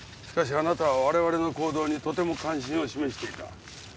しかしあなたは我々の行動にとても関心を示していた。